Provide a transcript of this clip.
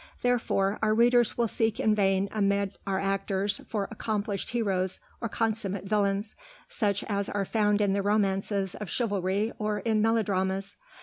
Therefore our readers will seek in vain amid our actors for accomplished heroes or consummate villains, such as are found in the romances of chivalry or in melodramas.